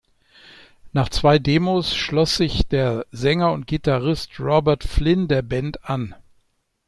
Nach zwei Demos schloss sich der Sänger und Gitarrist Robert Flynn der Band an.